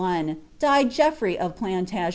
one, Died Geoffroy of PlaDtagen?!